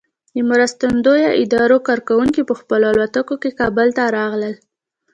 د مرستندویه ادارو کارکوونکي په خپلو الوتکو کې کابل ته راغلل.